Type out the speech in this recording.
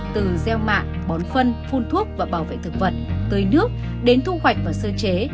từ gieo mạ bón phân phun thuốc và bảo vệ thực vật tưới nước đến thu hoạch và sơ chế